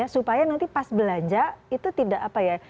supaya nanti pas belanja itu tidak apa ya